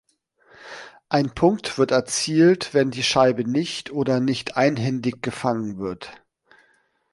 Ein Punkt wird erzielt, wenn die Scheibe nicht oder nicht einhändig gefangen wird.